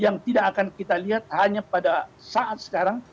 yang tidak akan kita lihat hanya pada saat sekarang